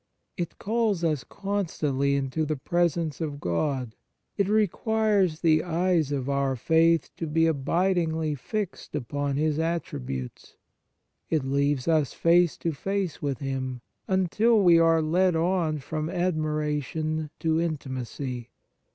It calls us con stantly into the presence of God ; it requires the eyes of our faith to be abidingly fixed upon His attributes ; it leaves us face to face with Him, until we are led on from admiration to intimacy.